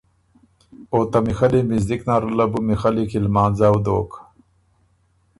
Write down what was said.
او ته میخلّی مِزدک نره له بُو میخلّی کی لمانځؤ دوک۔